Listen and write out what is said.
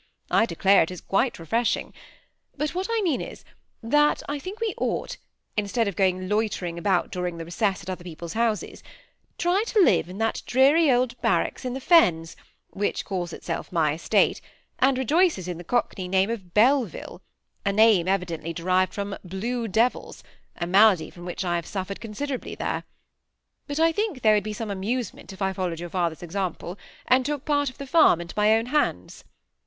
I declare it is quite refreshing. But what I mean is, that I think we ought, instead of going loitering about during the recess at other people's houses, try to live in that dreary old barracks in the Fens, which calls itself my estate, and rejoices in the cockney name of Belleville, a name evidently derived from ^ blue devils,' a malady from which I have sufiered considerably there. But I think there would be some amusement if I followed your father's example and took part of the farm into my own hands."